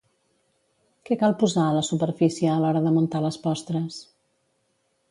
Què cal posar a la superfície a l'hora de muntar les postres?